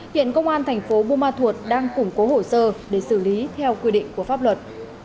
hiện công an thành phố buôn ma thuột đang củng cố hồ sơ để xử lý theo quy định của pháp luật